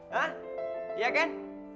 hah iya kan